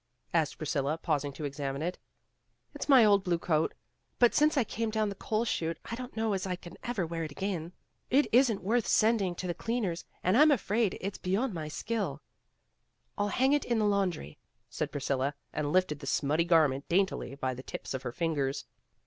asked Priscilla, pausing to examine it. "It's my old blue coat. But since I came down the coal chute, I don't know as I can ever wear it again. It isn't worth sending to the cleaner's, and I'm afraid it's beyond my skill." "I'll hang it in the laundry," said Priscilla, and lifted the smutty garment daintily by the tips of her fingers.